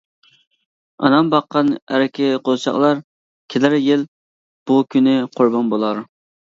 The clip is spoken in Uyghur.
ئانام باققان ئەركە قوزىچاقلار، كېلەر يىل بۇ كۈنى قۇربان بولار.